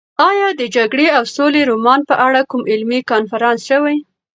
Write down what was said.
ایا د جګړې او سولې رومان په اړه کوم علمي کنفرانس شوی؟